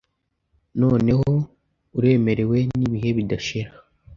Noneho, uremerewe nibihe bidashira,